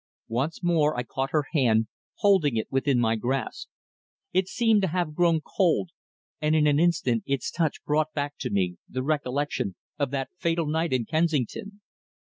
Once more I caught her hand, holding it within my grasp. It seemed to have grown cold, and in an instant its touch brought back to me the recollection of that fatal night in Kensington.